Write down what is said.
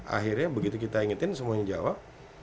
akhirnya begitu kita ingetin semuanya jawab